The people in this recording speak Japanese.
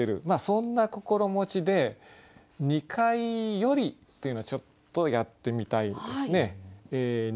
まあそんな心持ちで「二階より」っていうのをちょっとやってみたいですね。